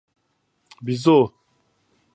🐒بېزو